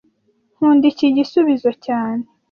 Nkunda iki gisubizo cyane